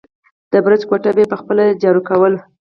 د برج کوټه به يې په خپله جارو کوله.